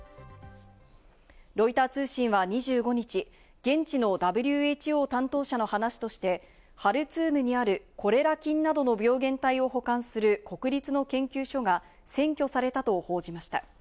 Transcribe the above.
ロイター通信は２５日、現地のＷＨＯ担当者の話としてハルツームにあるコレラ菌などの病原体を保管する国立の研究所が占拠されたと報じました。